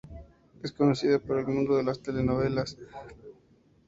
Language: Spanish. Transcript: Es conocida por el mundo de las telenovelas.